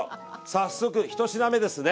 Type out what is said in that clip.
早速１品目ですね。